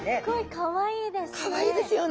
かわいいですよね。